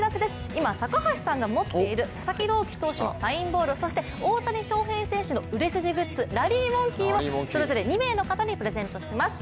今、高橋さんが持っている佐々木朗希投手のサインボールそして大谷翔平選手の売れ筋グッズ、ラリーモンキーをそれぞれ２名の方にプレゼントします。